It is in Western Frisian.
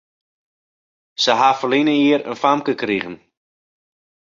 Sy ha ferline jier in famke krigen.